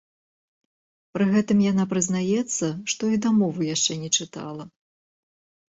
Пры гэтым яна прызнаецца, што і дамову яшчэ не чытала.